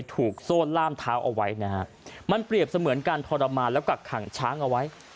โซนล่ามเท้าเอาไว้นะฮะมันเปรียบเสมือนการทรมานแล้วกักขังช้างเอาไว้